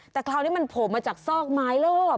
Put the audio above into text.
แต่คราวนี้มันโผล่มาจากซอกไม้โลภ